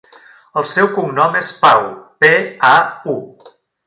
El seu cognom és Pau: pe, a, u.